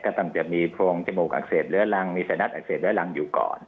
ตั้งแต่มีโพรงจมูกอักเสบเรื้อรังมีสนัดอักเสบเรื้อรังอยู่ก่อน